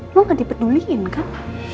lo ga dipeduliin kan